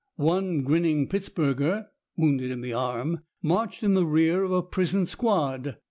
One grinning Pittsburgher, wounded in the arm, marched in the rear of a prison squad.